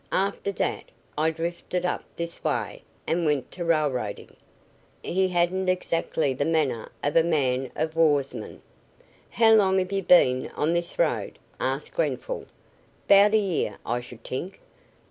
After dat I drifted up dis way and went to railroadin'." He hadn't exactly the manner of a man of warsman. "How long have you been on this road?" asked Grenfall. "'Bout a year, I should t'ink.